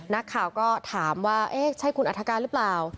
นักข่าวก็ถามว่าเอ๊ะใช่คุณอัฐการหรือเปล่า